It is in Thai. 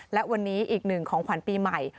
และวันนี้อีกหนึ่งของขวัญปีใหม่